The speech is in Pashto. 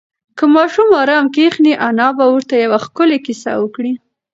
که ماشوم ارام کښېني، انا به ورته یوه ښکلې کیسه وکړي.